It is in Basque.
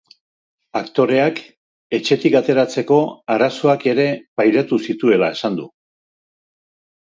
Aktoreak etxetik ateratzeko arazoak ere pairatu zituela esan du.